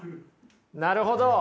なるほど。